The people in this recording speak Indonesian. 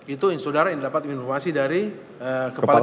itu saudara yang dapat informasi dari kepala